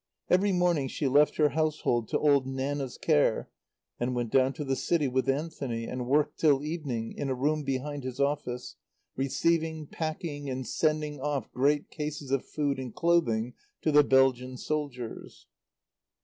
Every morning she left her household to old Nanna's care and went down to the City with Anthony, and worked till evening in a room behind his office, receiving, packing, and sending off great cases of food and clothing to the Belgian soldiers.